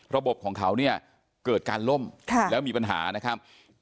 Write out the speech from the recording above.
ระบบของเขาเนี่ยเกิดการล่มแล้วมีปัญหานะครับ